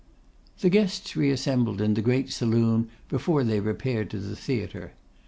The guests re assembled in the great saloon before they repaired to the theatre.